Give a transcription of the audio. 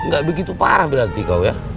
gak begitu parah berarti kau ya